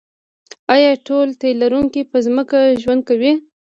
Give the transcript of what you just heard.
ایا ټول تی لرونکي په ځمکه ژوند کوي